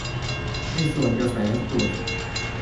ข้าวหน้าเป็ดมีทั้งแบบเป็ดย่างและเป็ดพะโล้